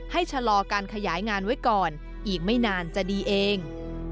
ชะลอการขยายงานไว้ก่อนอีกไม่นานจะดีเอง